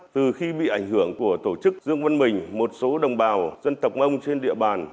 từ khi bị ảnh hưởng của tổ chức dương văn mình một số đồng bào dân tộc mông trên địa bàn